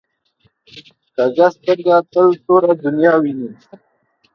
کوږه سترګه تل توره دنیا ویني